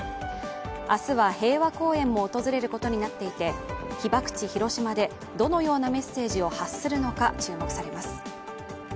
明日は平和公園も訪れることになっていて、被爆地・広島でどのようなメッセージを発するのか、注目されます。